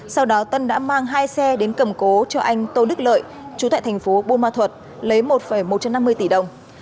sau đó tân đã mang hai xe đến cầm cố cho anh tô đức lợi chú thệ tp bumathuật lấy một một trăm năm mươi tỷ đồng